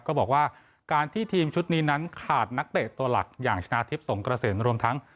ก็บอกว่าการที่ทีมชุดนี้นั้นขาดนักเตะตัวหลักอย่างชนะทิพย์สงกระสินรวมทั้ง